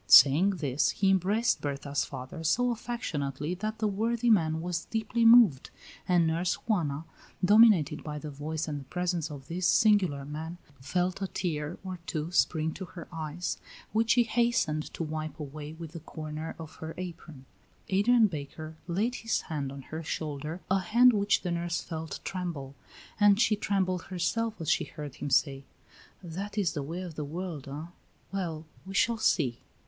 Saying this, he embraced Berta's father so affectionately that the worthy man was deeply moved, and Nurse Juana, dominated by the voice and the presence of this singular man, felt a tear or two spring to her eyes, which she hastened to wipe away with the corner of her apron. Adrian Baker laid his hand on her shoulder, a hand which the nurse felt tremble, and she trembled herself as she heard him say: "That is the way of the world, eh? Well, we shall see."